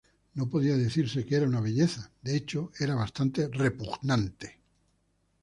No podía decirse que era una belleza, de hecho era bastante repugnante.